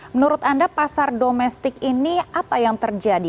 menurut anda pasar domestik ini apa yang terjadi